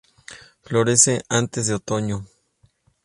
Florece antes de otoño.